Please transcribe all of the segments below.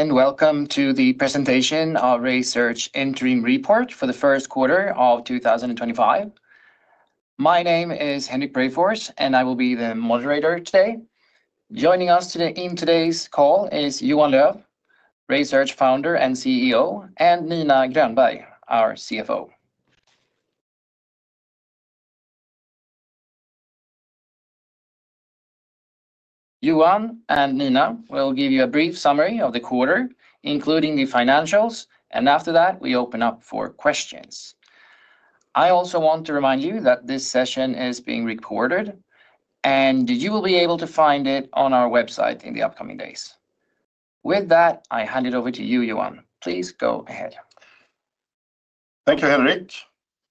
Hello and welcome to the presentation of RaySearch Interim Report for the first quarter of 2025. My name is Henrik Preifors, and I will be the moderator today. Joining us in today's call is Johan Löf, RaySearch founder and CEO, and Nina Grönberg, our CFO. Johan and Nina will give you a brief summary of the quarter, including the financials, and after that, we open up for questions. I also want to remind you that this session is being recorded, and you will be able to find it on our website in the upcoming days. With that, I hand it over to you, Johan. Please go ahead. Thank you, Henrik.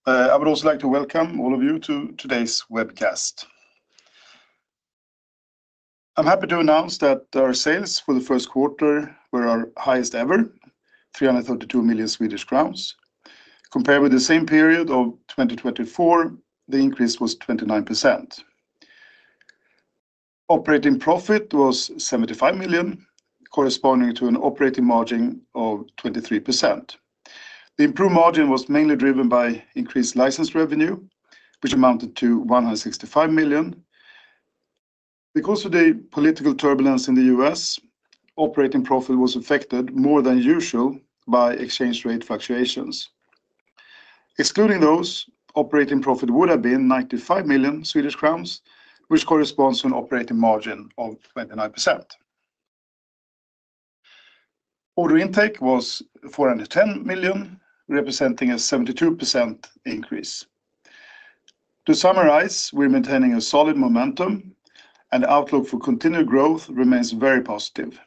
I would also like to welcome all of you to today's webcast. I'm happy to announce that our sales for the first quarter were our highest ever, 332 million Swedish crowns. Compared with the same period of 2024, the increase was 29%. Operating profit was 75 million, corresponding to an operating margin of 23%. The improved margin was mainly driven by increased license revenue, which amounted to 165 million. Because of the political turbulence in the U.S., operating profit was affected more than usual by exchange rate fluctuations. Excluding those, operating profit would have been 95 million Swedish crowns, which corresponds to an operating margin of 29%. Order intake was 410 million, representing a 72% increase. To summarize, we're maintaining a solid momentum, and the outlook for continued growth remains very positive.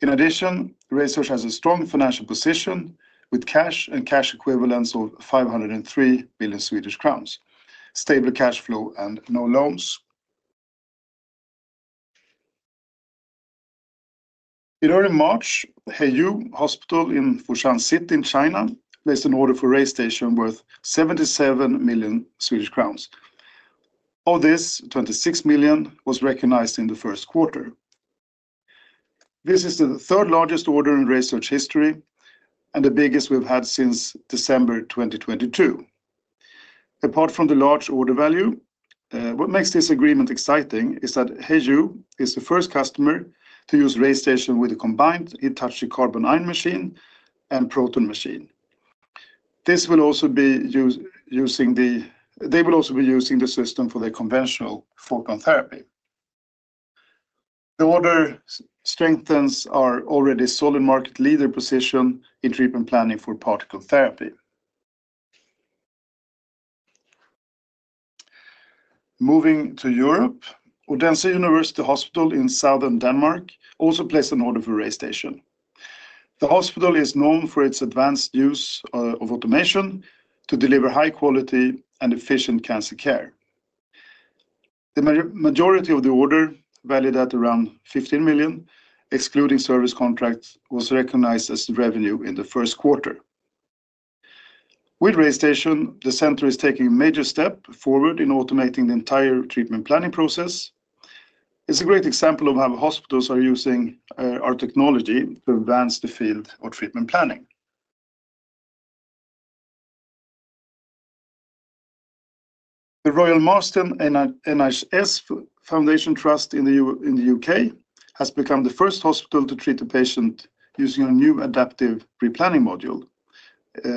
In addition, RaySearch has a strong financial position with cash and cash equivalents of 503 million Swedish crowns, stable cash flow, and no loans. In early March, Heyou Hospital in Foshan City in China placed an order for a RayStation worth 77 million Swedish crowns. Of this, 26 million was recognized in the first quarter. This is the third largest order in RaySearch history and the biggest we've had since December 2022. Apart from the large order value, what makes this agreement exciting is that Heyou is the first customer to use a RayStation with a combined Hitachi carbon ion machine and proton machine. This will also be using the system for their conventional photon therapy. The order strengthens our already solid market leader position in treatment planning for particle therapy. Moving to Europe, Odense University Hospital in Southern Denmark also placed an order for a RayStation. The hospital is known for its advanced use of automation to deliver high-quality and efficient cancer care. The majority of the order, valued at around 15 million, excluding service contracts, was recognized as revenue in the first quarter. With RayStation, the center is taking a major step forward in automating the entire treatment planning process. It's a great example of how hospitals are using our technology to advance the field of treatment planning. The Royal Marsden NHS Foundation Trust in the U.K. has become the first hospital to treat a patient using a new adaptive replanning module,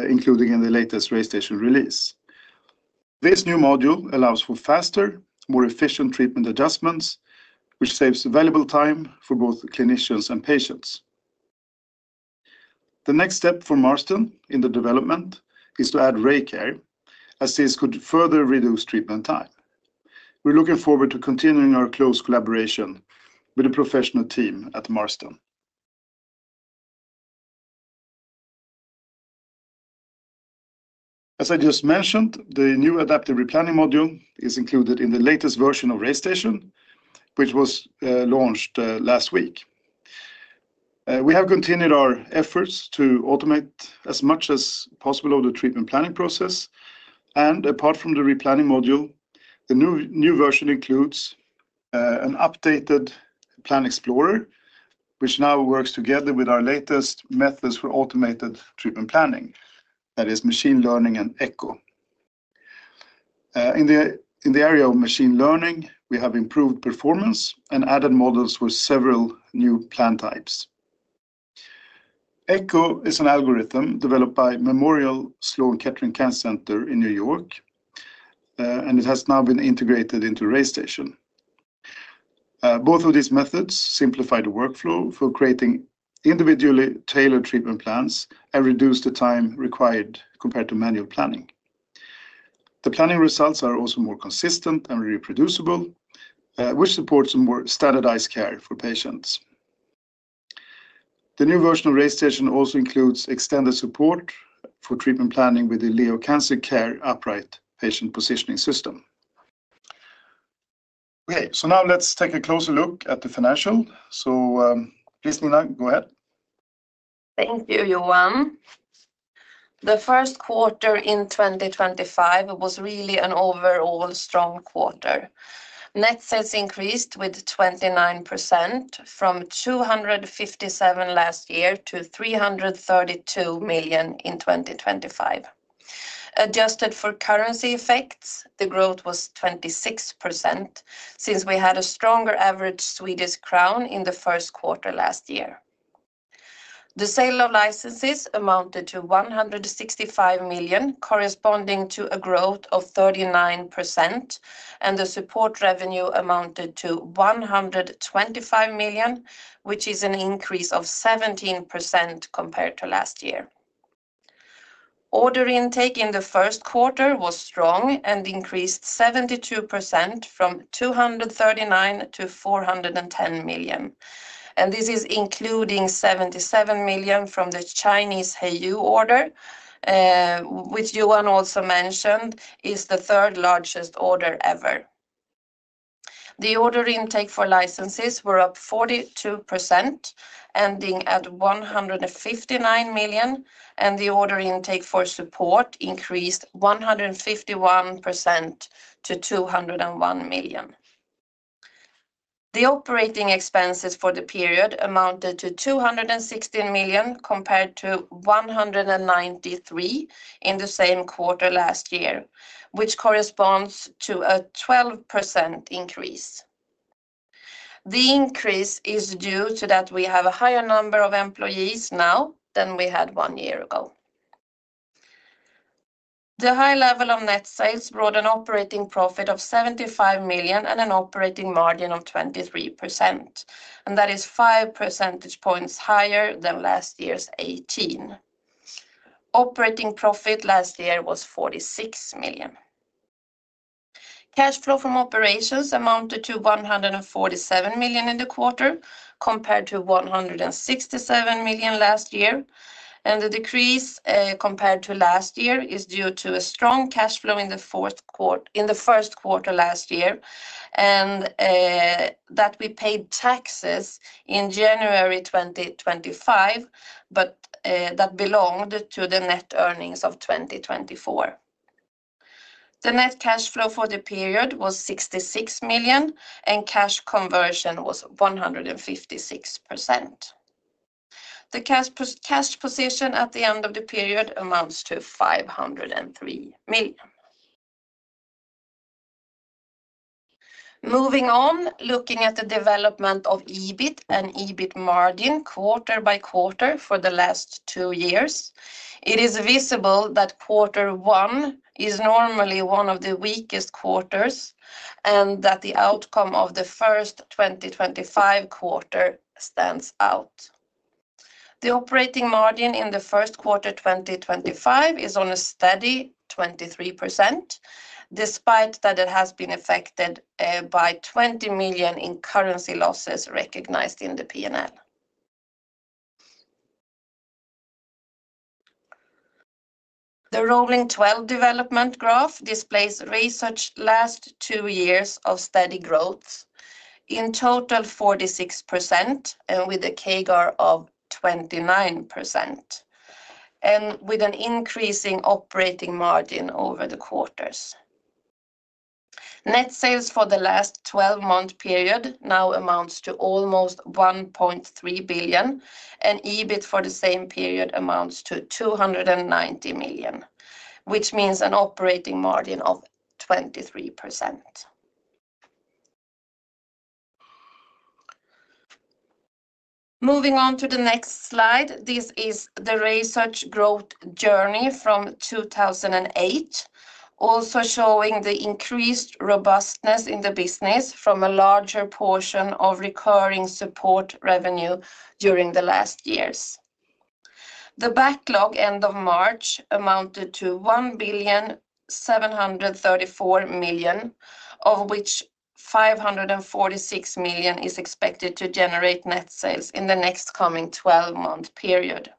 included in the latest RayStation release. This new module allows for faster, more efficient treatment adjustments, which saves valuable time for both clinicians and patients. The next step for Marsden in the development is to add RayCare, as this could further reduce treatment time. We're looking forward to continuing our close collaboration with the professional team at Marsden. As I just mentioned, the new adaptive replanning module is included in the latest version of RayStation, which was launched last week. We have continued our efforts to automate as much as possible of the treatment planning process. Apart from the replanning module, the new version includes an updated Plan Explorer, which now works together with our latest methods for automated treatment planning, that is, machine learning and ECHO. In the area of machine learning, we have improved performance and added models with several new plan types. ECHO is an algorithm developed by Memorial Sloan Kettering Cancer Center in New York, and it has now been integrated into RayStation. Both of these methods simplify the workflow for creating individually tailored treatment plans and reduce the time required compared to manual planning. The planning results are also more consistent and reproducible, which supports a more standardized care for patients. The new version of RayStation also includes extended support for treatment planning with the Leo Cancer Care Upright Patient Positioning System. Okay, now let's take a closer look at the financials. Please, Nina, go ahead. Thank you, Johan. The first quarter in 2025 was really an overall strong quarter. Net sales increased with 29% from 257 million last year to 332 million in 2025. Adjusted for currency effects, the growth was 26% since we had a stronger average Swedish krona in the first quarter last year. The sale of licenses amounted to 165 million, corresponding to a growth of 39%, and the support revenue amounted to 125 million, which is an increase of 17% compared to last year. Order intake in the first quarter was strong and increased 72% from 239 million to 410 million. This is including 77 million from the Chinese Heyou order, which Johan also mentioned is the third largest order ever. The order intake for licenses was up 42%, ending at 159 million, and the order intake for support increased 151% to 201 million. The operating expenses for the period amounted to 216 million compared to 193 million in the same quarter last year, which corresponds to a 12% increase. The increase is due to that we have a higher number of employees now than we had one year ago. The high level of net sales brought an operating profit of 75 million and an operating margin of 23%, and that is 5% points higher than last year's 18%. Operating profit last year was 46 million. Cash flow from operations amounted to 147 million in the quarter compared to 167 million last year, and the decrease compared to last year is due to a strong cash flow in the first quarter last year and that we paid taxes in January 2025, but that belonged to the net earnings of 2024. The net cash flow for the period was 66 million, and cash conversion was 156%. The cash position at the end of the period amounts to 503 million. Moving on, looking at the development of EBIT and EBIT margin quarter-by-quarter for the last two years, it is visible that quarter one is normally one of the weakest quarters and that the outcome of the first 2025 quarter stands out. The operating margin in the first quarter 2025 is on a steady 23%, despite that it has been affected by 20 million in currency losses recognized in the P&L. The rolling 12 development graph displays RaySearch's last two years of steady growth, in total 46% and with a CAGR of 29%, and with an increasing operating margin over the quarters. Net sales for the last 12-month period now amounts to almost 1.3 billion, and EBIT for the same period amounts to 290 million, which means an operating margin of 23%. Moving on to the next slide, this is the RaySearch growth journey from 2008, also showing the increased robustness in the business from a larger portion of recurring support revenue during the last years. The backlog end of March amounted to 1,734 million, of which 546 million is expected to generate net sales in the next coming 12-month period.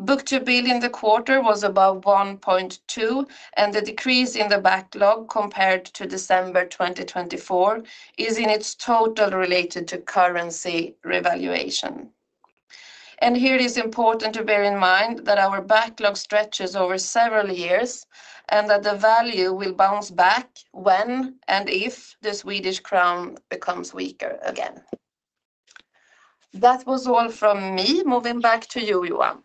Book to bill in the quarter was above 1.2, and the decrease in the backlog compared to December 2024 is in its total related to currency revaluation. Here it is important to bear in mind that our backlog stretches over several years and that the value will bounce back when and if the Swedish krona becomes weaker again. That was all from me. Moving back to you, Johan.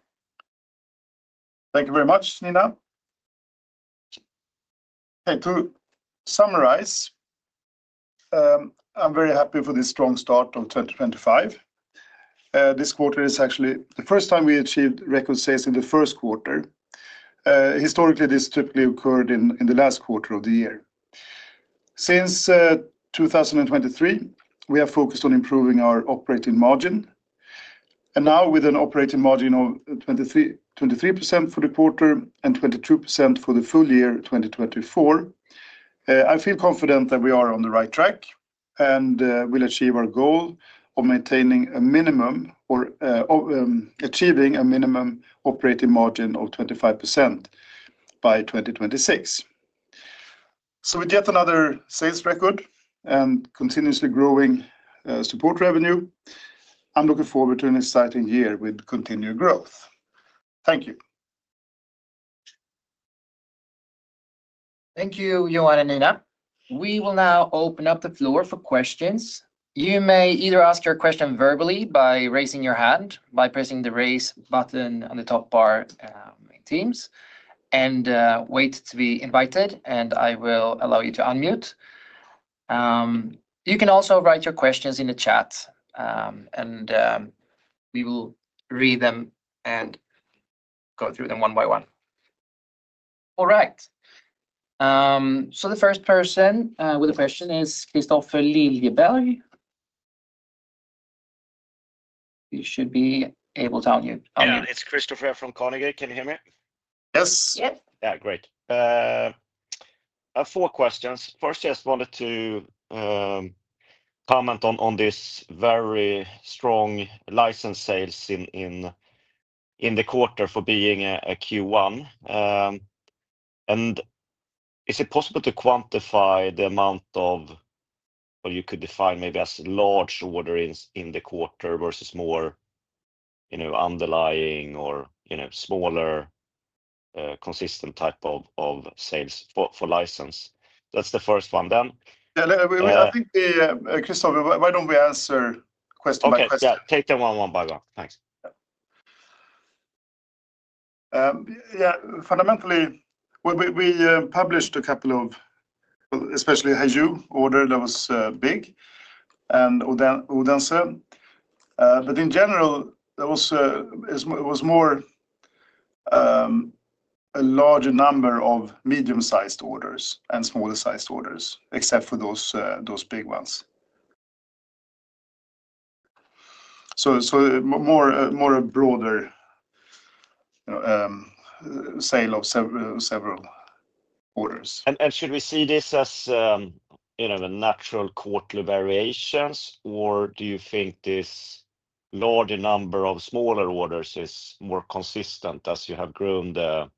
Thank you very much, Nina. Okay, to summarize, I'm very happy for this strong start of 2025. This quarter is actually the first time we achieved record sales in the first quarter. Historically, this typically occurred in the last quarter of the year. Since 2023, we have focused on improving our operating margin, and now with an operating margin of 23% for the quarter and 22% for the full year 2024, I feel confident that we are on the right track and will achieve our goal of maintaining a minimum or achieving a minimum operating margin of 25% by 2026. With yet another sales record and continuously growing support revenue, I'm looking forward to an exciting year with continued growth. Thank you. Thank you, Johan and Nina. We will now open up the floor for questions. You may either ask your question verbally by raising your hand, by pressing the raise button on the top bar in Teams, and wait to be invited, and I will allow you to unmute. You can also write your questions in the chat, and we will read them and go through them one by one. All right. The first person with a question is Christopher Liljeberg. You should be able to unmute. Yeah, it's Christopher from Carnegie. Can you hear me? Yes. Yeah. Yeah, great. I have four questions. First, I just wanted to comment on this very strong license sales in the quarter for being a Q1. Is it possible to quantify the amount of, or you could define maybe as large order in the quarter versus more underlying or smaller consistent type of sales for license? That's the first one. Then. Yeah, I think Christopher, why don't we answer question by question? Okay, yeah, take them one by one. Thanks. Yeah, fundamentally, we published a couple of, especially Heyou order, that was big and Odense. In general, it was more a larger number of medium-sized orders and smaller-sized orders, except for those big ones. More a broader sale of several orders. Should we see this as natural quarterly variations, or do you think this larger number of smaller orders is more consistent as you have grown the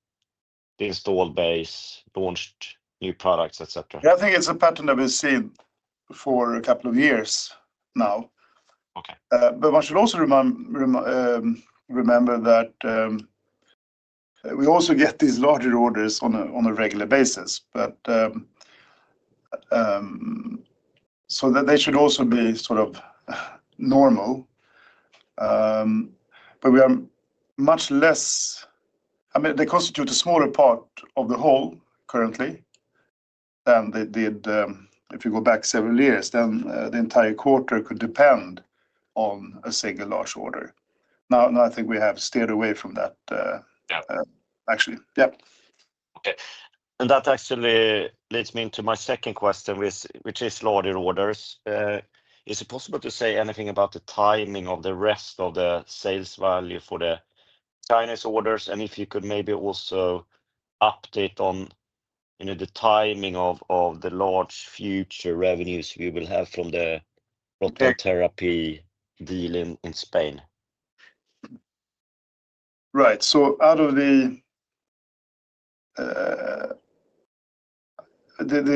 install base, launched new products, etc.? Yeah, I think it's a pattern that we've seen for a couple of years now. One should also remember that we also get these larger orders on a regular basis. They should also be sort of normal. We are much less, I mean, they constitute a smaller part of the whole currently than they did if you go back several years. The entire quarter could depend on a single large order. Now, I think we have steered away from that, actually. Yeah. Okay. That actually leads me into my second question, which is larger orders. Is it possible to say anything about the timing of the rest of the sales value for the Chinese orders? If you could maybe also update on the timing of the large future revenues we will have from the therapy deal in Spain. Right. Out of the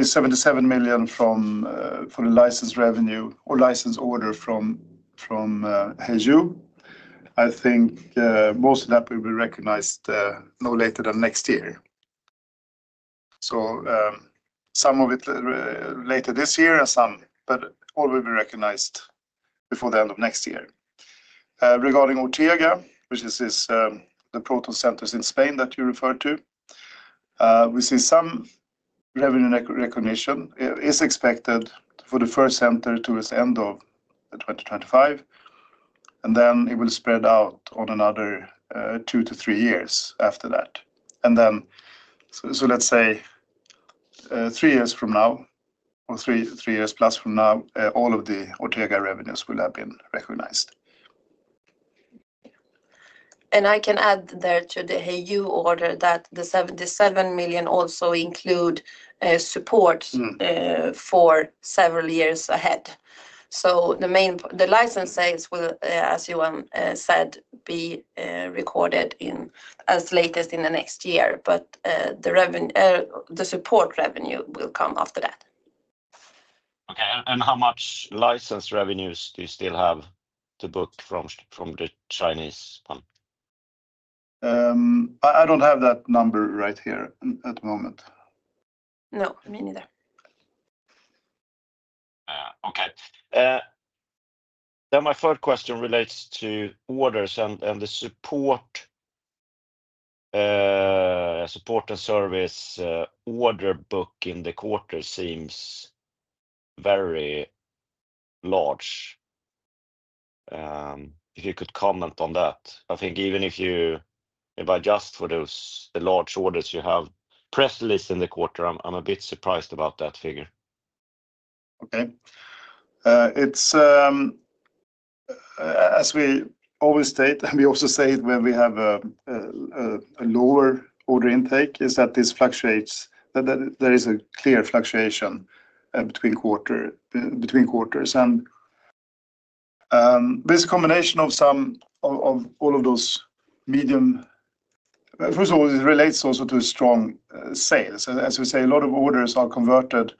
77 million for the license revenue or license order from Heyou, I think most of that will be recognized no later than next year. Some of it later this year and some, but all will be recognized before the end of next year. Regarding Ortega, which is the proton centers in Spain that you referred to, we see some revenue recognition is expected for the first center towards the end of 2025, and then it will spread out on another two to three years after that. Let's say three years from now or three years plus from now, all of the Ortega revenues will have been recognized. I can add there to the Heyou order that the 77 million also include support for several years ahead. The license sales will, as Johan said, be recorded as latest in the next year, but the support revenue will come after that. Okay. How much license revenues do you still have to book from the Chinese one? I don't have that number right here at the moment. No, me neither. Okay. My third question relates to orders, and the support and service order book in the quarter seems very large. If you could comment on that, I think even if you adjust for those large orders you have press-listed in the quarter, I'm a bit surprised about that figure. Okay. As we always state, and we also say it when we have a lower order intake, is that this fluctuates, that there is a clear fluctuation between quarters. This combination of all of those medium, first of all, it relates also to strong sales. As we say, a lot of orders are converted,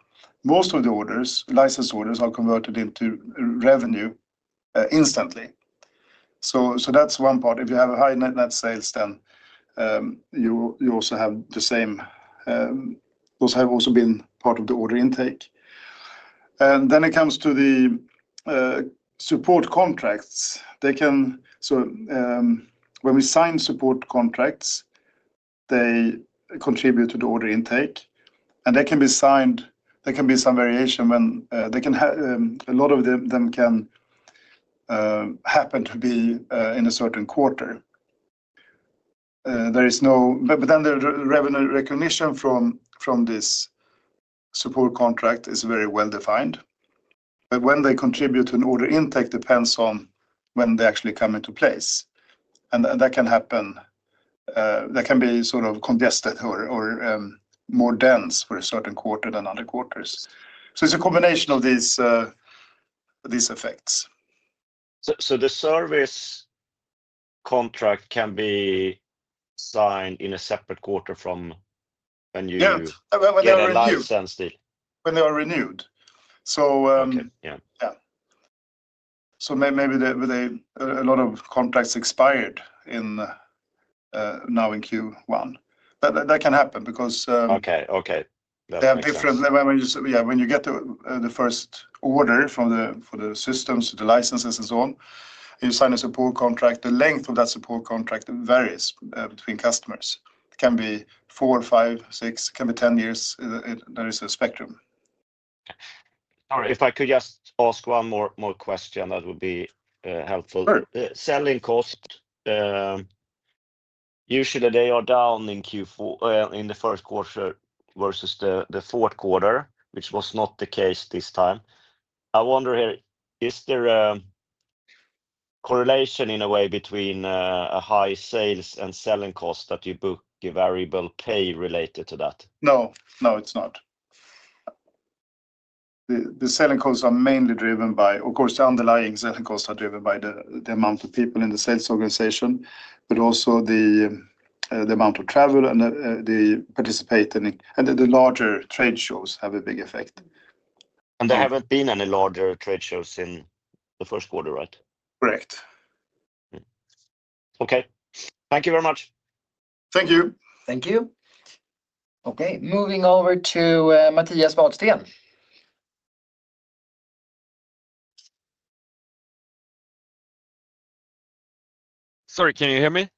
most of the orders, license orders are converted into revenue instantly. That is one part. If you have a high net sales, then you also have the same, those have also been part of the order intake. It comes to the support contracts. When we sign support contracts, they contribute to the order intake, and there can be signed, there can be some variation when a lot of them can happen to be in a certain quarter. The revenue recognition from this support contract is very well defined. When they contribute to an order intake depends on when they actually come into place. That can happen, that can be sort of congested or more dense for a certain quarter than other quarters. It is a combination of these effects. The service contract can be signed in a separate quarter from when you are licensed? Yeah, when they are renewed. Maybe a lot of contracts expired now in Q1. That can happen because they have different. Yeah, when you get the first order for the systems, the licenses, and so on, you sign a support contract. The length of that support contract varies between customers. It can be four, five, six, it can be 10 years. There is a spectrum. Sorry, if I could just ask one more question that would be helpful. Selling cost, usually they are down in Q1, in the first quarter versus the fourth quarter, which was not the case this time. I wonder here, is there a correlation in a way between a high sales and selling cost that you book a variable pay related to that? No, no, it's not. The selling costs are mainly driven by, of course, the underlying selling costs are driven by the amount of people in the sales organization, but also the amount of travel and the participating, and the larger trade shows have a big effect. There have not been any larger trade shows in the first quarter, right? Correct. Okay. Thank you very much. Thank you. Thank you. Okay, moving over to Mattias Vadsten. Sorry, can you hear me?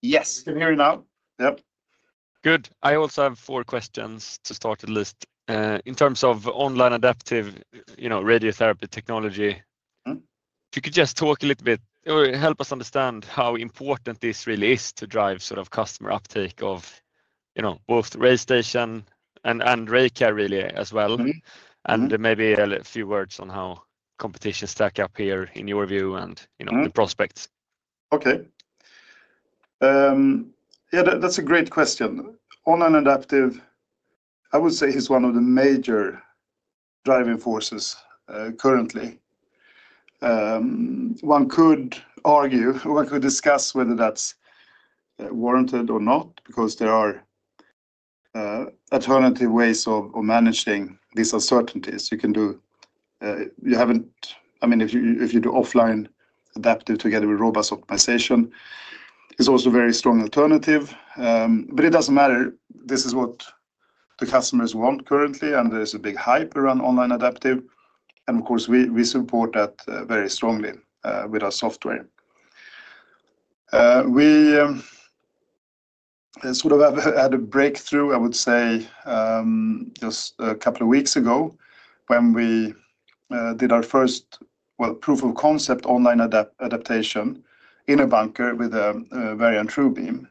Yes, can you hear me now? Yep. Good. I also have four questions to start at least. In terms of online adaptive radiotherapy technology, if you could just talk a little bit, help us understand how important this really is to drive sort of customer uptake of both RayStation and RayCare really as well. Maybe a few words on how competition stack up here in your view and the prospects. Okay. Yeah, that's a great question. Online adaptive, I would say, is one of the major driving forces currently. One could argue, one could discuss whether that's warranted or not because there are alternative ways of managing these uncertainties. You can do, you haven't, I mean, if you do offline adaptive together with robust optimization, it's also a very strong alternative. It doesn't matter. This is what the customers want currently, and there's a big hype around online adaptive. Of course, we support that very strongly with our software. We sort of had a breakthrough, I would say, just a couple of weeks ago when we did our first, well, proof of concept online adaptation in a bunker with a Varian TrueBeam.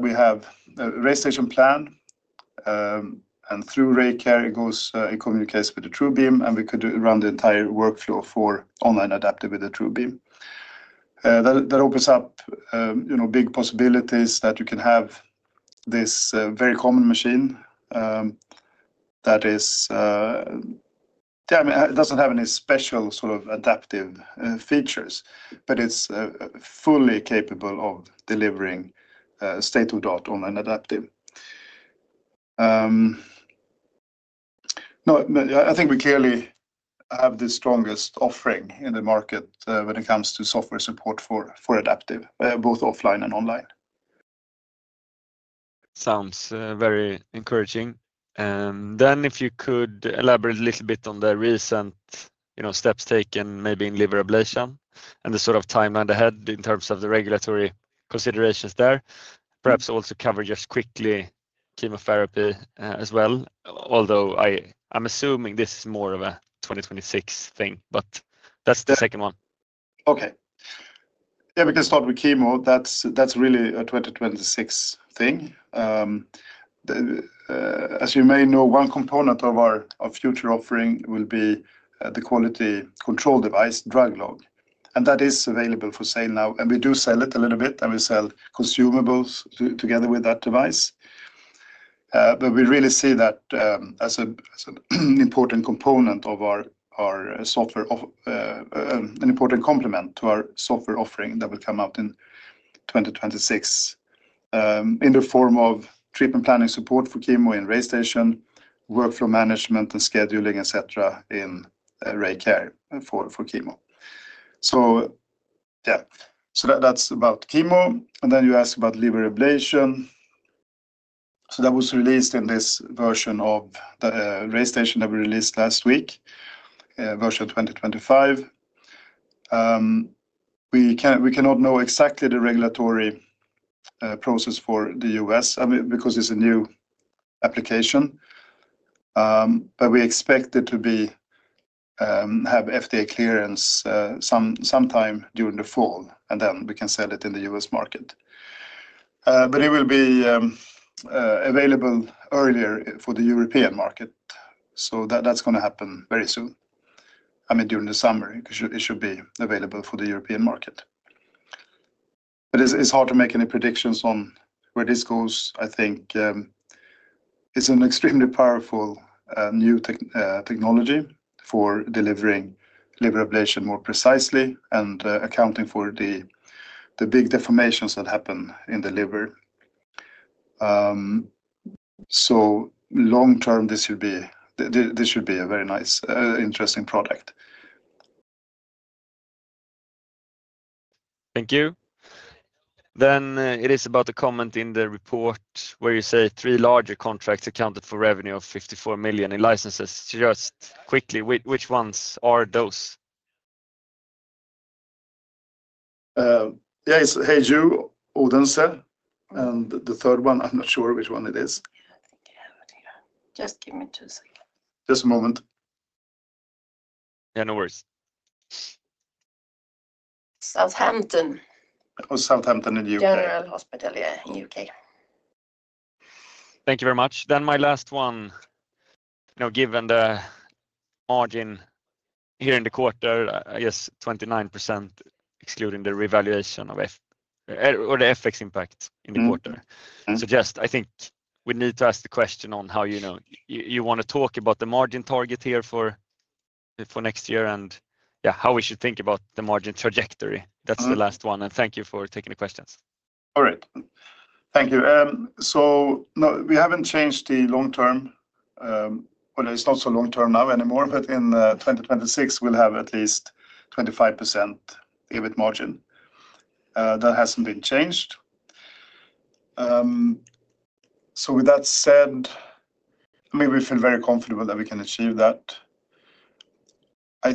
We have a RayStation plan, and through RayCare, it goes, it communicates with the TrueBeam, and we could run the entire workflow for online adaptive with the TrueBeam. That opens up big possibilities that you can have this very common machine that is, yeah, it does not have any special sort of adaptive features, but it is fully capable of delivering state-of-the-art online adaptive. No, I think we clearly have the strongest offering in the market when it comes to software support for adaptive, both offline and online. Sounds very encouraging. If you could elaborate a little bit on the recent steps taken maybe in liberalization and the sort of timeline ahead in terms of the regulatory considerations there, perhaps also cover just quickly chemotherapy as well, although I'm assuming this is more of a 2026 thing, but that's the second one. Okay. Yeah, we can start with chemo. That's really a 2026 thing. As you may know, one component of our future offering will be the quality control device, DrugLog. And that is available for sale now. We do sell it a little bit, and we sell consumables together with that device. We really see that as an important component of our software, an important complement to our software offering that will come out in 2026 in the form of treatment planning support for chemo in RayStation, workflow management and scheduling, etc., in RayCare for chemo. Yeah, that's about chemo. You asked about liver ablation. That was released in this version of RayStation that we released last week, version 2025. We cannot know exactly the regulatory process for the U.S. because it's a new application. We expect it to have FDA clearance sometime during the fall, and then we can sell it in the U.S. market. It will be available earlier for the European market. That is going to happen very soon. I mean, during the summer, it should be available for the European market. It is hard to make any predictions on where this goes. I think it is an extremely powerful new technology for delivering liver ablation more precisely and accounting for the big deformations that happen in the liver. Long term, this should be a very nice, interesting product. Thank you. It is about a comment in the report where you say three larger contracts accounted for revenue of 54 million in licenses. Just quickly, which ones are those? Yeah, it's Heyu, Odense. The third one, I'm not sure which one it is. Just give me two seconds. Just a moment. Yeah, no worries. Southampton. Oh, Southampton in the U.K. General Hospital, yeah, in the U.K. Thank you very much. My last one, given the margin here in the quarter, I guess 29% excluding the revaluation of or the FX impact in the quarter. Just, I think we need to ask the question on how you want to talk about the margin target here for next year and yeah, how we should think about the margin trajectory. That is the last one. Thank you for taking the questions. All right. Thank you. We haven't changed the long term, or it's not so long term now anymore, but in 2026, we'll have at least 25% EBIT margin. That hasn't been changed. With that said, I mean, we feel very comfortable that we can achieve that. I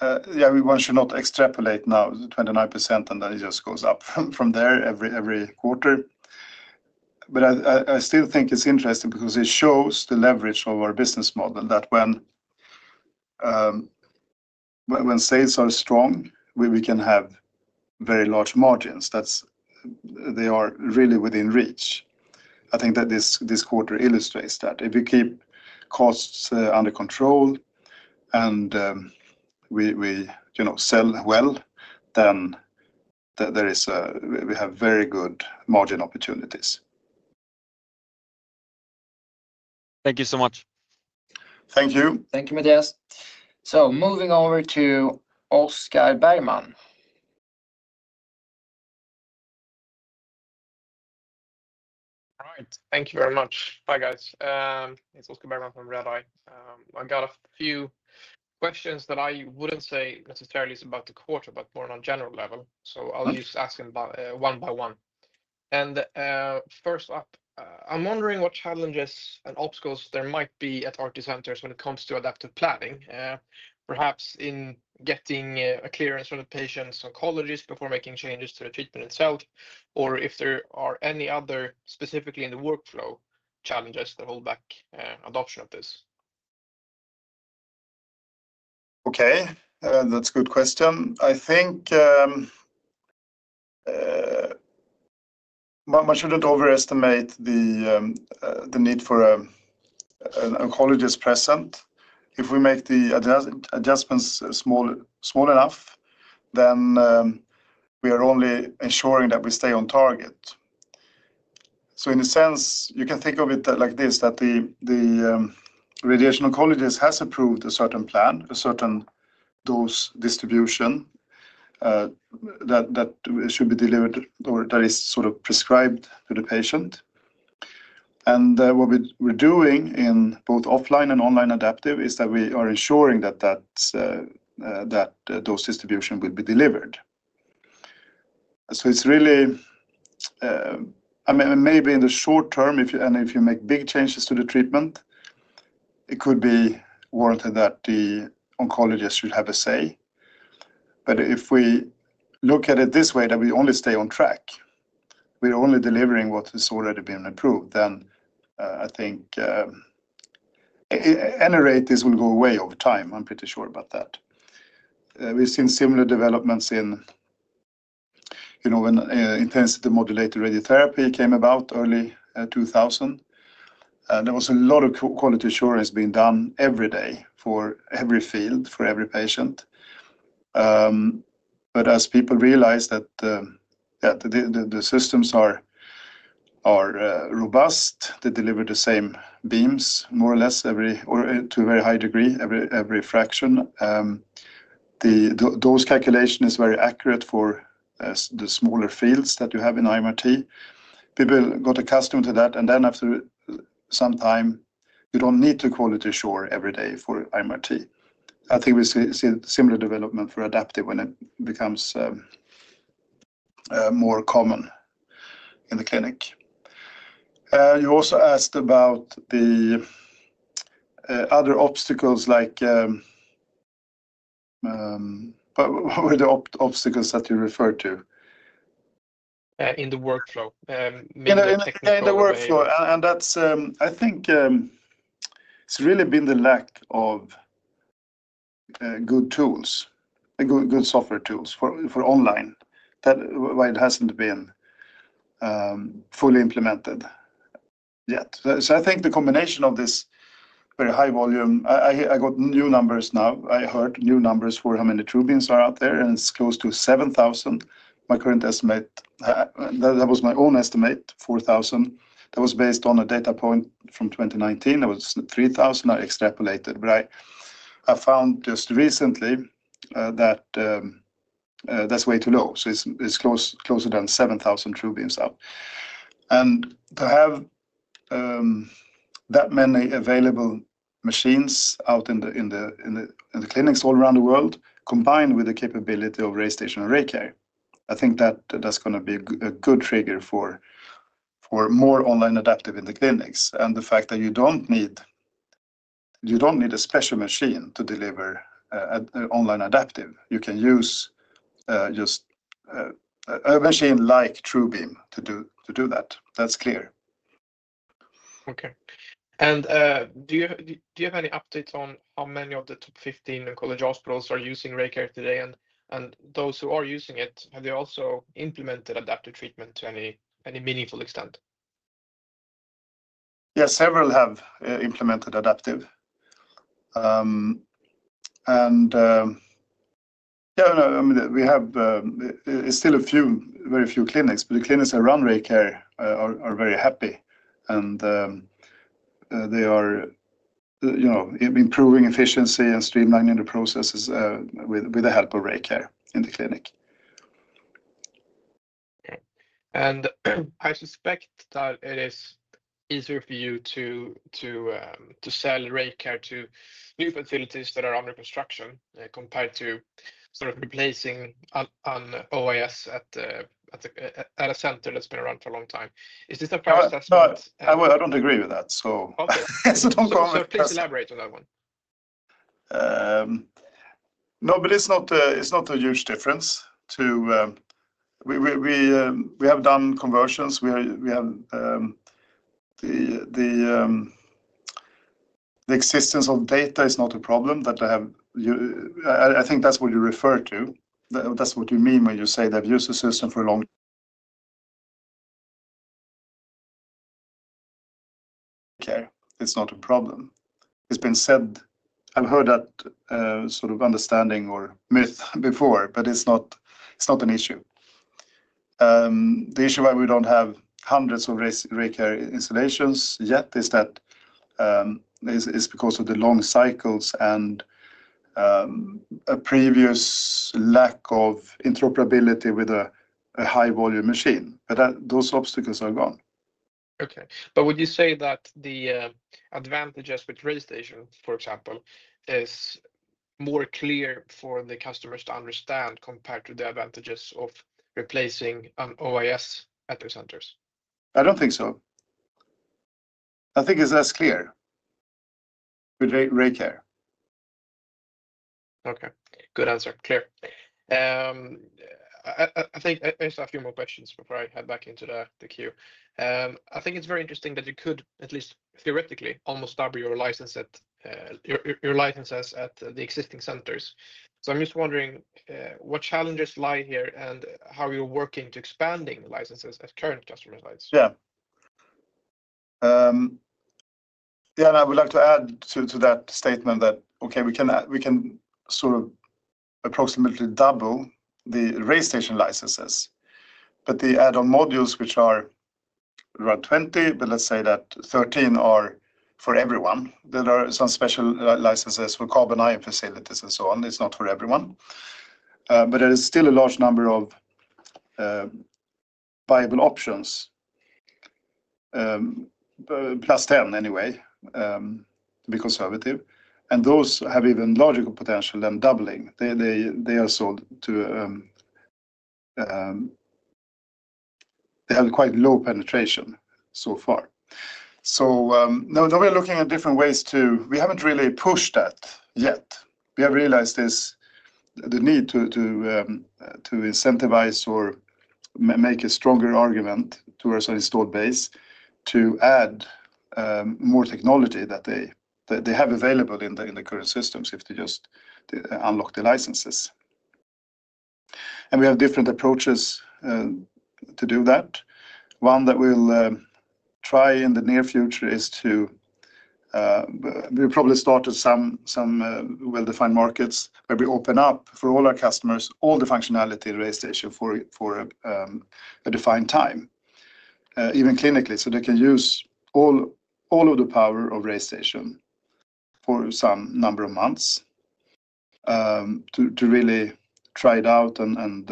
think, yeah, we should not extrapolate now to 29%, and then it just goes up from there every quarter. I still think it's interesting because it shows the leverage of our business model that when sales are strong, we can have very large margins. They are really within reach. I think that this quarter illustrates that. If we keep costs under control and we sell well, then we have very good margin opportunities. Thank you so much. Thank you. Thank you, Mattias. Moving over to Oscar Bergman. All right. Thank you very much. Hi, guys. It's Oscar Bergman from Redeye. I've got a few questions that I wouldn't say necessarily is about the quarter, but more on a general level. I'll just ask them one by one. First up, I'm wondering what challenges and obstacles there might be at RT centers when it comes to adaptive planning, perhaps in getting a clearance from the patient's oncologist before making changes to the treatment itself, or if there are any other specifically in the workflow challenges that hold back adoption of this. Okay. That's a good question. I think we shouldn't overestimate the need for an oncologist present. If we make the adjustments small enough, then we are only ensuring that we stay on target. In a sense, you can think of it like this, that the radiation oncologist has approved a certain plan, a certain dose distribution that should be delivered or that is sort of prescribed to the patient. What we're doing in both offline and online adaptive is that we are ensuring that those distributions will be delivered. It's really, I mean, maybe in the short term, and if you make big changes to the treatment, it could be warranted that the oncologist should have a say. If we look at it this way, that we only stay on track, we're only delivering what has already been approved, then I think any rate, this will go away over time. I'm pretty sure about that. We've seen similar developments when intensity-modulated radiotherapy came about early 2000. There was a lot of quality assurance being done every day for every field, for every patient. As people realized that the systems are robust, they deliver the same beams more or less to a very high degree, every fraction. The dose calculation is very accurate for the smaller fields that you have in IMRT. People got accustomed to that. After some time, you don't need to quality assure every day for IMRT. I think we see similar development for adaptive when it becomes more common in the clinic. You also asked about the other obstacles, like, what were the obstacles that you referred to? In the workflow. In the workflow. I think it's really been the lack of good tools, good software tools for online that hasn't been fully implemented yet. I think the combination of this very high volume, I got new numbers now. I heard new numbers for how many TrueBeams are out there, and it's close to 7,000. My current estimate, that was my own estimate, 4,000. That was based on a data point from 2019. That was 3,000. I extrapolated, but I found just recently that that's way too low. It's closer than 7,000 TrueBeams out. To have that many available machines out in the clinics all around the world, combined with the capability of RayStation and RayCare, I think that that's going to be a good trigger for more online adaptive in the clinics. The fact that you do not need a special machine to deliver online adaptive. You can use just a machine like TrueBeam to do that. That is clear. Okay. Do you have any updates on how many of the top 15 oncology hospitals are using RayCare today? Those who are using it, have they also implemented adaptive treatment to any meaningful extent? Yeah, several have implemented adaptive. Yeah, I mean, we have still very few clinics, but the clinics that run RayCare are very happy. They are improving efficiency and streamlining the processes with the help of RayCare in the clinic. Okay. I suspect that it is easier for you to sell RayCare to new facilities that are under construction compared to sort of replacing an OIS at a center that's been around for a long time. Is this a process? I don't agree with that, so. Okay. Please elaborate on that one. No, but it's not a huge difference. We have done conversions. The existence of data is not a problem that I have. I think that's what you refer to. That's what you mean when you say they've used the system for a long. It's not a problem. It's been said. I've heard that sort of understanding or myth before, but it's not an issue. The issue why we don't have hundreds of RayCare installations yet is because of the long cycles and a previous lack of interoperability with a high-volume machine. Those obstacles are gone. Okay. Would you say that the advantages with RayStation, for example, is more clear for the customers to understand compared to the advantages of replacing an OIS at their centers? I don't think so. I think it's less clear with RayCare. Okay. Good answer. Clear. I think I just have a few more questions before I head back into the queue. I think it's very interesting that you could, at least theoretically, almost double your licenses at the existing centers. So I'm just wondering what challenges lie here and how you're working to expanding licenses at current customer sites. Yeah. Yeah, and I would like to add to that statement that, okay, we can sort of approximately double the RayStation licenses, but the add-on modules, which are around 20, but let's say that 13 are for everyone. There are some special licenses for carbon-ion facilities and so on. It's not for everyone. There is still a large number of viable options, +10 anyway, to be conservative. Those have even larger potential than doubling. They have quite low penetration so far. Now we're looking at different ways to—we haven't really pushed that yet. We have realized the need to incentivize or make a stronger argument towards an installed base to add more technology that they have available in the current systems if they just unlock the licenses. We have different approaches to do that. One that we'll try in the near future is to—we'll probably start at some well-defined markets where we open up for all our customers all the functionality in RayStation for a defined time, even clinically, so they can use all of the power of RayStation for some number of months to really try it out and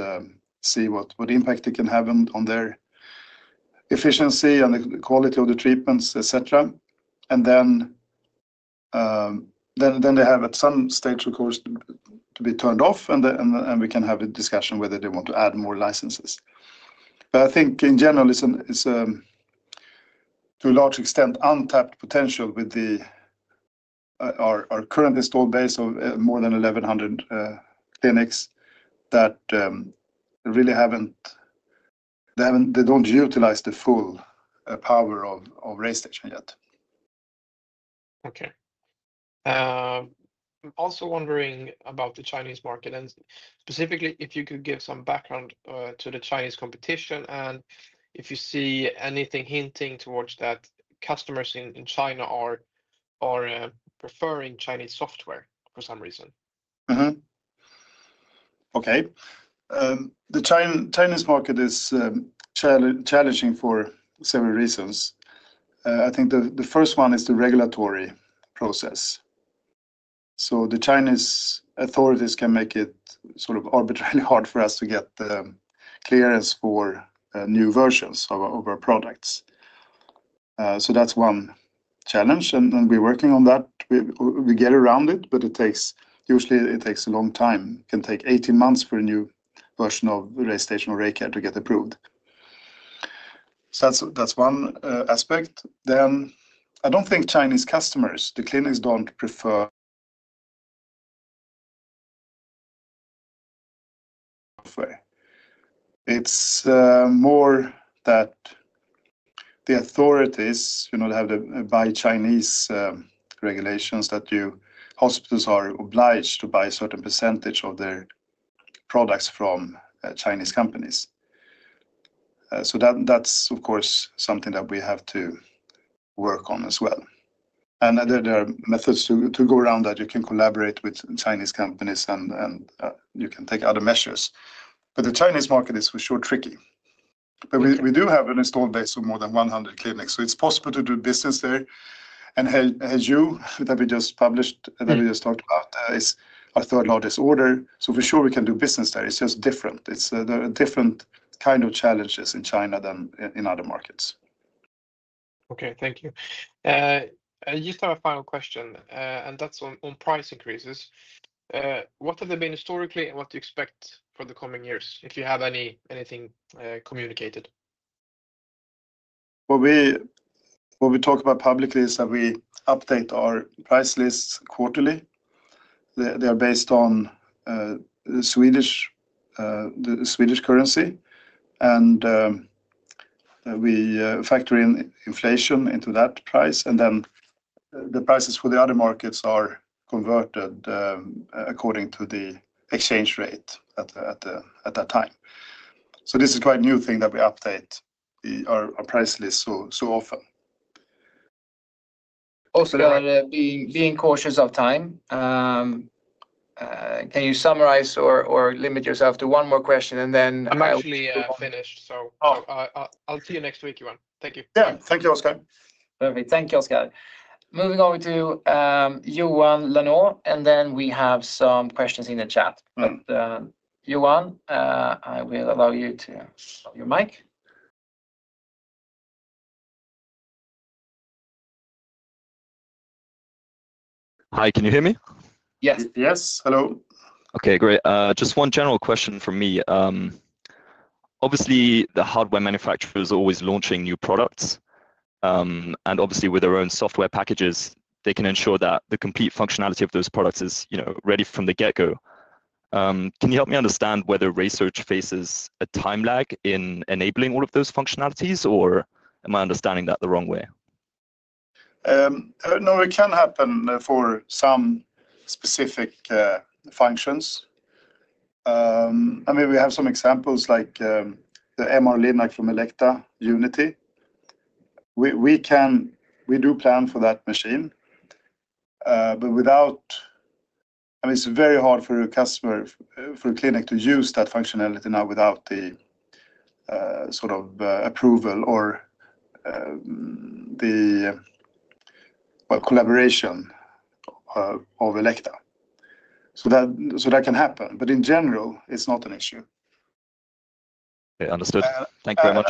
see what impact it can have on their efficiency and the quality of the treatments, etc. They have, at some stage, of course, to be turned off, and we can have a discussion whether they want to add more licenses. I think, in general, it's to a large extent untapped potential with our current installed base of more than 1,100 clinics that really haven't—they don't utilize the full power of RayStation yet. Okay. I'm also wondering about the Chinese market, and specifically if you could give some background to the Chinese competition and if you see anything hinting towards that customers in China are preferring Chinese software for some reason. Okay. The Chinese market is challenging for several reasons. I think the first one is the regulatory process. The Chinese authorities can make it sort of arbitrarily hard for us to get clearance for new versions of our products. That is one challenge, and we're working on that. We get around it, but usually it takes a long time. It can take 18 months for a new version of RayStation or RayCare to get approved. That is one aspect. I do not think Chinese customers, the clinics, do not prefer software. It is more that the authorities have, by Chinese regulations, that hospitals are obliged to buy a certain percentage of their products from Chinese companies. That is, of course, something that we have to work on as well. There are methods to go around that. You can collaborate with Chinese companies, and you can take other measures. The Chinese market is for sure tricky. We do have an installed base of more than 100 clinics, so it's possible to do business there. Heyou, that we just published, that we just talked about, is our third largest order. For sure, we can do business there. It's just different. There are different kinds of challenges in China than in other markets. Okay. Thank you. I just have a final question, and that's on price increases. What have they been historically, and what do you expect for the coming years if you have anything communicated? What we talk about publicly is that we update our price lists quarterly. They are based on the Swedish, swedish currency, and we factor in inflation into that price. The prices for the other markets are converted according to the exchange rate at that time. This is quite a new thing that we update our price lists so often. Also, being cautious of time, can you summarize or limit yourself to one more question, and then I'll— I'm actually finished, so I'll see you next week, Johan. Thank you. Yeah. Thank you, Oscar. Perfect. Thank you, Oscar. Moving over to Johan Löfner, and then we have some questions in the chat. But Johan, I will allow you to have your mic. Hi, can you hear me? Yes. Yes. Hello. Okay. Great. Just one general question from me. Obviously, the hardware manufacturers are always launching new products. Obviously, with their own software packages, they can ensure that the complete functionality of those products is ready from the get-go. Can you help me understand whether RaySearch faces a time lag in enabling all of those functionalities, or am I understanding that the wrong way? No, it can happen for some specific functions. I mean, we have some examples like the MR-Linac Unity from Elekta. We do plan for that machine, but without—I mean, it's very hard for a customer, for a clinic, to use that functionality now without the sort of approval or the collaboration of Elekta. That can happen. In general, it's not an issue. Okay. Understood. Thank you very much.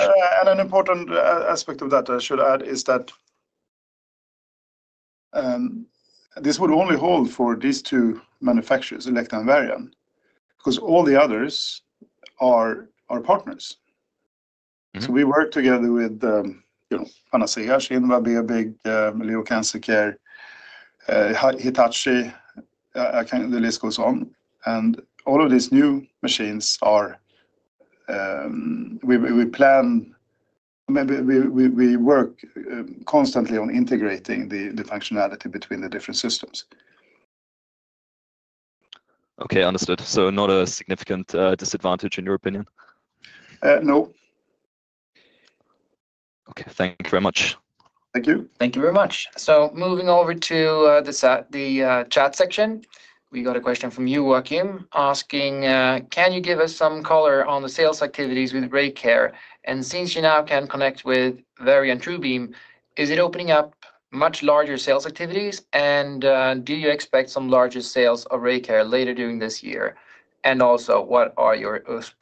An important aspect of that, I should add, is that this would only hold for these two manufacturers, Elekta and Varian, because all the others are partners. We work together with Panacea, Shinva BioBig, Leo Cancer Care, Hitachi, the list goes on. All of these new machines are—we plan—I mean, we work constantly on integrating the functionality between the different systems. Okay. Understood. So not a significant disadvantage in your opinion? No. Okay. Thank you very much. Thank you. Thank you very much. Moving over to the chat section, we got a question from you, Joaquim, asking, "Can you give us some color on the sales activities with RayCare? Since you now can connect with Varian TrueBeam, is it opening up much larger sales activities? Do you expect some larger sales of RayCare later during this year? Also, what are your hopes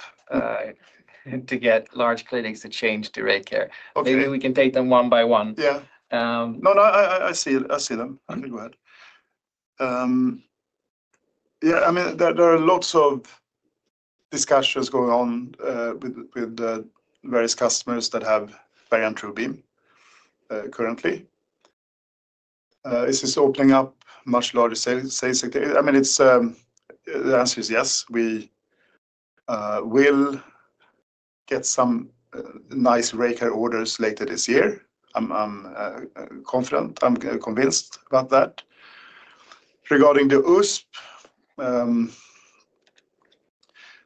to get large clinics to change to RayCare?" Maybe we can take them one by one. Yeah. No, no, I see it. I see them. I think we're good. Yeah. I mean, there are lots of discussions going on with various customers that have Varian TrueBeam currently. Is this opening up much larger sales? I mean, the answer is yes. We will get some nice RayCare orders later this year. I'm confident. I'm convinced about that. Regarding the USP,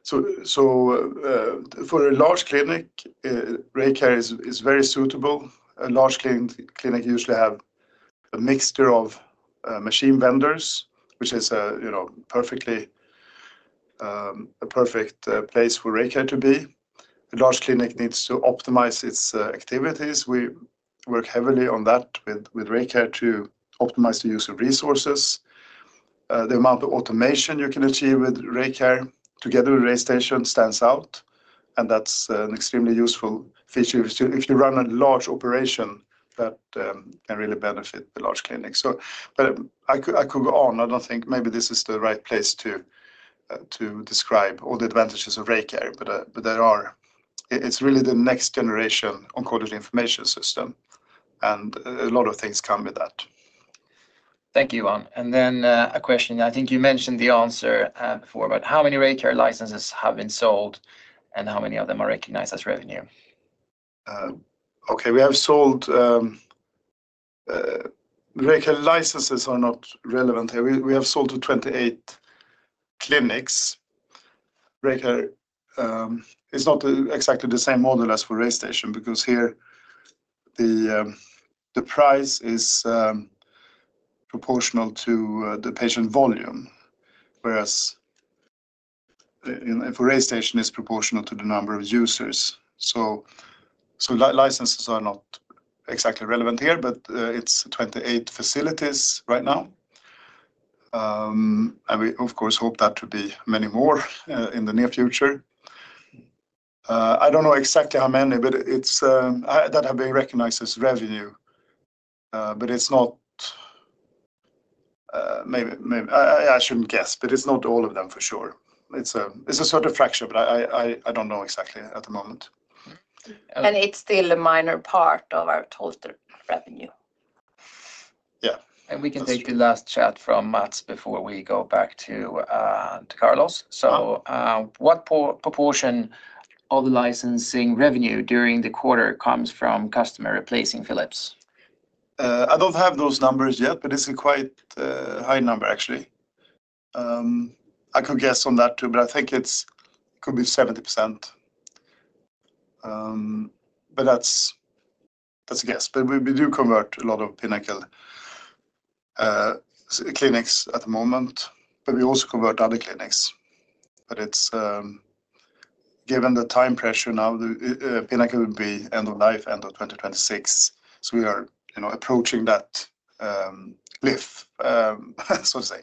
so for a large clinic, RayCare is very suitable. A large clinic usually has a mixture of machine vendors, which is a perfect place for RayCare to be. A large clinic needs to optimize its activities. We work heavily on that with RayCare to optimize the use of resources. The amount of automation you can achieve with RayCare together with RayStation stands out, and that's an extremely useful feature if you run a large operation that can really benefit the large clinic. I could go on. I don't think maybe this is the right place to describe all the advantages of RayCare, but it's really the next generation oncology information system, and a lot of things come with that. Thank you, Johan. Then a question. I think you mentioned the answer before, but how many RayCare licenses have been sold, and how many of them are recognized as revenue? Okay. We have sold RayCare licenses are not relevant here. We have sold to 28 clinics. RayCare is not exactly the same model as for RayStation because here the price is proportional to the patient volume, whereas for RayStation it's proportional to the number of users. So licenses are not exactly relevant here, but it's 28 facilities right now. We, of course, hope that to be many more in the near future. I don't know exactly how many that have been recognized as revenue, but it's not—I shouldn't guess, but it's not all of them for sure. It's a sort of fraction, but I don't know exactly at the moment. It is still a minor part of our total revenue. Yeah. We can take the last chat from Matts before we go back to Carlos. What proportion of the licensing revenue during the quarter comes from customers replacing Philips? I don't have those numbers yet, but it's a quite high number, actually. I could guess on that too, but I think it could be 70%. But that's a guess. We do convert a lot of Pinnacle clinics at the moment, but we also convert other clinics. Given the time pressure now, Pinnacle will be end of life, end of 2026. We are approaching that lift, so to say.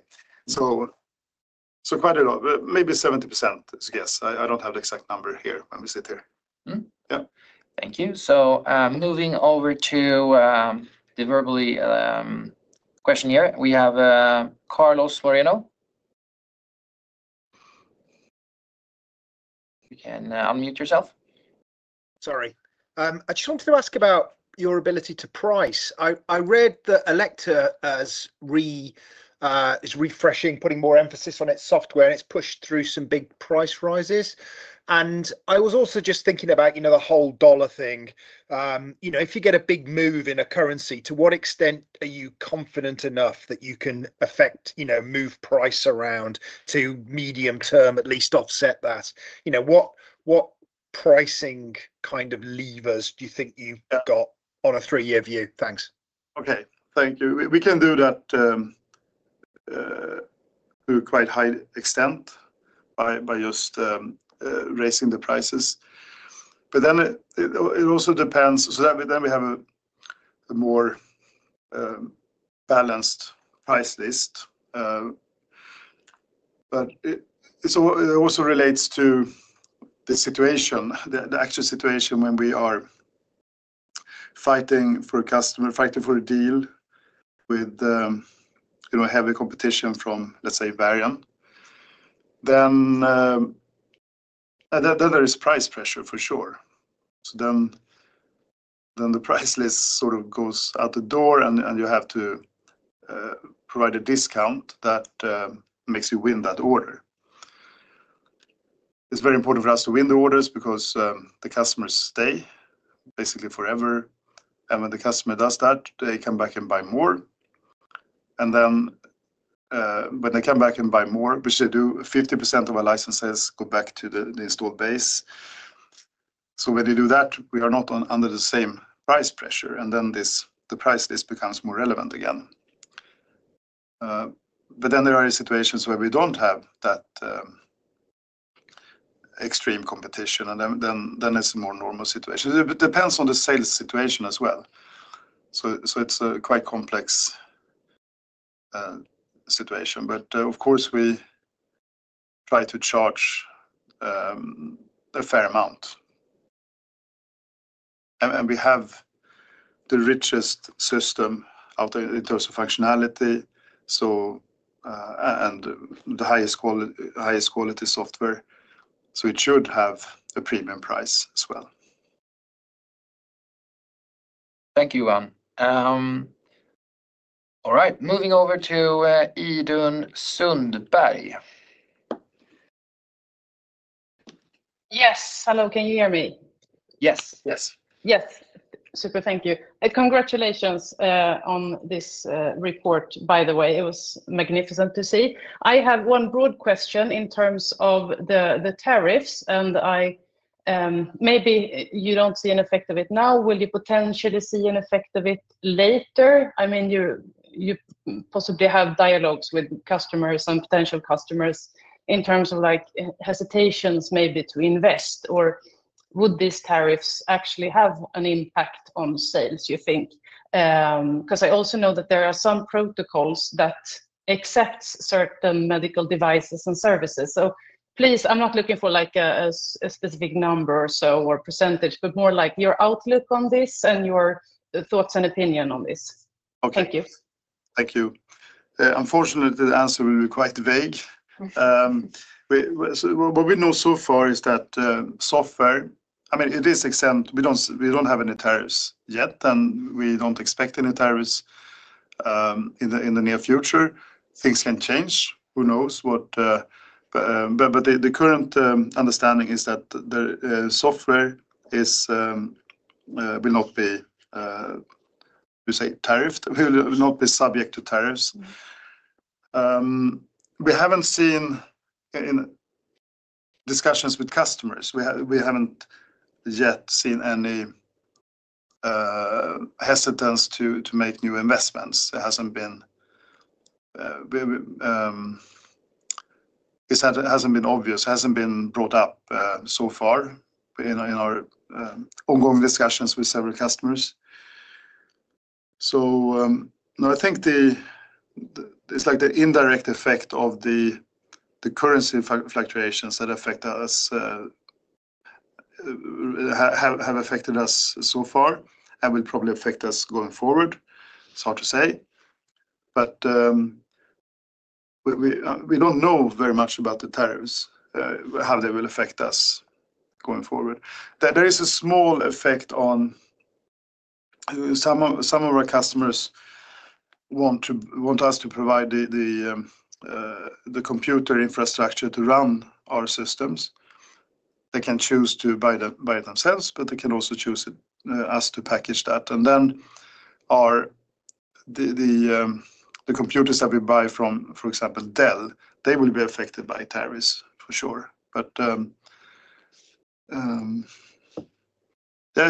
Quite a lot. Maybe 70% is a guess. I don't have the exact number here when we sit here. Yeah. Thank you. Moving over to the verbal questionnaire, we have Carlos Loreno. You can unmute yourself. Sorry. I just wanted to ask about your ability to price. I read that Elekta is refreshing, putting more emphasis on its software, and it's pushed through some big price rises. I was also just thinking about the whole dollar thing. If you get a big move in a currency, to what extent are you confident enough that you can move price around to medium term, at least offset that? What pricing kind of levers do you think you've got on a three-year view? Thanks. Okay. Thank you. We can do that to a quite high extent by just raising the prices. It also depends. We have a more balanced price list. It also relates to the actual situation when we are fighting for a customer, fighting for a deal with heavy competition from, let's say, Varian. There is price pressure for sure. The price list sort of goes out the door, and you have to provide a discount that makes you win that order. It is very important for us to win the orders because the customers stay basically forever. When the customer does that, they come back and buy more. When they come back and buy more, which they do, 50% of our licenses go back to the installed base. When they do that, we are not under the same price pressure, and then the price list becomes more relevant again. Then there are situations where we do not have that extreme competition, and it is a more normal situation. It depends on the sales situation as well. It is a quite complex situation. Of course, we try to charge a fair amount. We have the richest system in terms of functionality and the highest quality software. It should have a premium price as well. Thank you, Johan. All right. Moving over to Idun Sundberg. Yes. Hello. Can you hear me? Yes. Yes. Yes. Super. Thank you. And congratulations on this report, by the way. It was magnificent to see. I have one broad question in terms of the tariffs, and maybe you do not see an effect of it now. Will you potentially see an effect of it later? I mean, you possibly have dialogues with customers and potential customers in terms of hesitations maybe to invest. Or would these tariffs actually have an impact on sales, you think? Because I also know that there are some protocols that accept certain medical devices and services. Please, I am not looking for a specific number or percentage, but more like your outlook on this and your thoughts and opinion on this. Thank you. Thank you. Unfortunately, the answer will be quite vague. What we know so far is that software, I mean, to this extent, we do not have any tariffs yet, and we do not expect any tariffs in the near future. Things can change. Who knows what? The current understanding is that the software will not be, we say, tariffed. It will not be subject to tariffs. We have not seen in discussions with customers. We have not yet seen any hesitance to make new investments. It has not been obvious. It has not been brought up so far in our ongoing discussions with several customers. I think it is like the indirect effect of the currency fluctuations that have affected us so far and will probably affect us going forward. It is hard to say. We do not know very much about the tariffs, how they will affect us going forward. There is a small effect on some of our customers want us to provide the computer infrastructure to run our systems. They can choose to buy it themselves, but they can also choose us to package that. The computers that we buy from, for example, Dell, they will be affected by tariffs for sure. I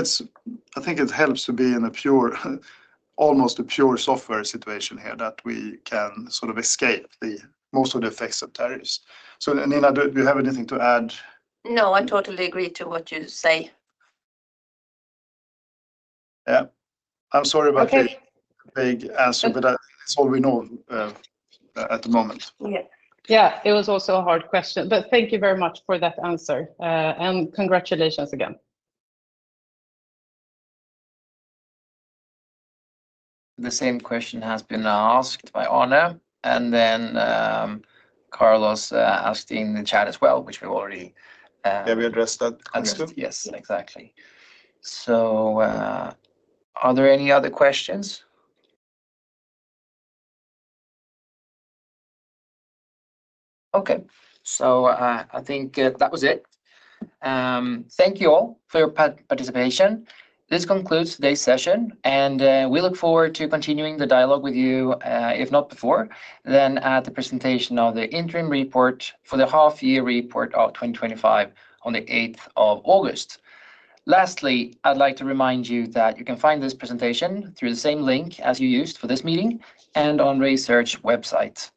think it helps to be in almost a pure software situation here that we can sort of escape most of the effects of tariffs. Nina, do you have anything to add? No, I totally agree to what you say. Yeah. I'm sorry about the vague answer, but that's all we know at the moment. Yeah. It was also a hard question. Thank you very much for that answer. Congratulations again. The same question has been asked by Arno. Carlos asked in the chat as well, which we've already. Yeah, we addressed that. Yes, exactly. Are there any other questions? Okay. I think that was it. Thank you all for your participation. This concludes today's session, and we look forward to continuing the dialogue with you, if not before, then at the presentation of the interim report for the half-year report of 2025 on the 8th of August. Lastly, I'd like to remind you that you can find this presentation through the same link as you used for this meeting and on RaySearch website.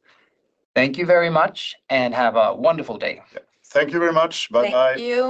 Thank you very much, and have a wonderful day. Thank you very much. Bye-bye. Thank you.